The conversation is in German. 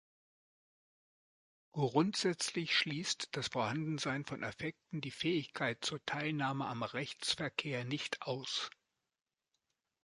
Grundsätzlich schließt das Vorhandensein von Affekten die Fähigkeit zur Teilnahme am Rechtsverkehr nicht aus.